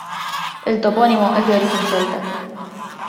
El topónimo es de origen celta.